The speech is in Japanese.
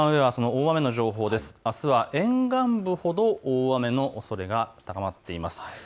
あすは沿岸部ほど大雨のおそれが高まっています。